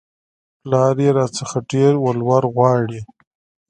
پلار يې راڅخه ډېر ولور غواړي